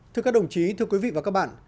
thưa các đồng chí thưa quý vị và các bạn